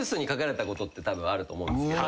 たぶんあると思うんですけど。